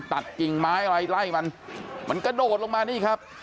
ตัดกิ่งไม้ไล่มันกระโดดลงมานี่ครับ